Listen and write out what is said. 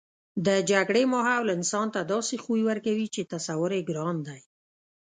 د جګړې ماحول انسان ته داسې خوی ورکوي چې تصور یې ګران دی